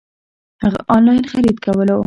هغه انلاين خريد کولو